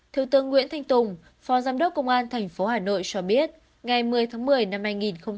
thiếu tướng nguyễn thanh tùng phó giám đốc công an tp hà nội cho biết ngày một mươi tháng một mươi năm hai nghìn hai mươi